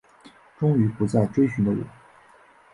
终于不再追寻的我